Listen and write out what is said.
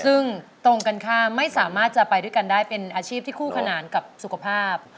ซึ่งตรงกันข้ามไม่สามารถจะไปด้วยกันได้เป็นอาชีพที่คู่ขนานกับสุขภาพ